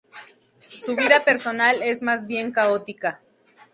Su vida personal es más bien caótica.